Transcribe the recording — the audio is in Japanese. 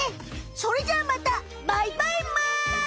それじゃあまたバイバイむ！